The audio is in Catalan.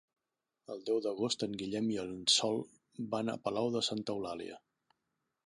El deu d'agost en Guillem i en Sol van a Palau de Santa Eulàlia.